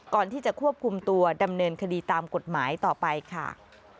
ก่อนที่จะควบคุมตัวดำเนินคดีตามกฎหมายต่อไปค่ะ